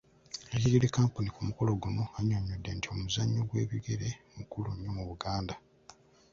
Eyakiikiridde kkampuni ku mukolo guno annyonnyodde nti omuzannyo gw’eggaali mukulu nnyo mu Buganda.